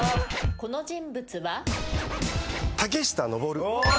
この人物は？